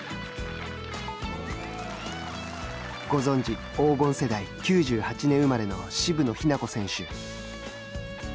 ご存じ黄金世代９８年生まれの渋野日向子選手。